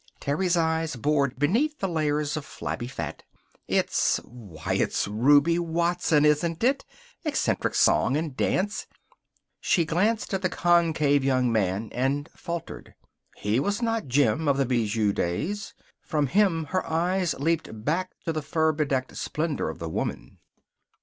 Terry's eyes bored beneath the layers of flabby fat. "It's why, it's Ruby Watson, isn't it? Eccentric Song and Dance " She glanced at the concave young man and faltered. He was not Jim, of the Bijou days. From him her eyes leaped back to the fur bedecked splendor of the woman.